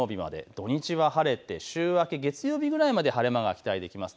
土日は晴れて週明け月曜日ぐらいまで晴れ間が期待できます。